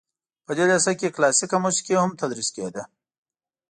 په دې لیسه کې کلاسیکه موسیقي هم تدریس کیده.